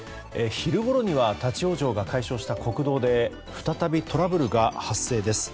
昼ごろには立ち往生が解消した国道で再びトラブルが発生です。